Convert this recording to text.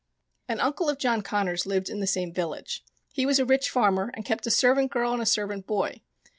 An uncle of John Connors lived in the same village. He was a rich farmer and kept a servant girl and a servant boy.